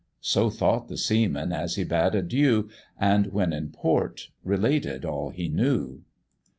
So thought the seaman as he bade adieu, And, when in port, related all he knew.